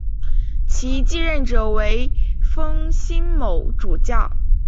其继任者为封新卯主教。